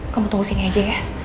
kamu tunggu sini aja ya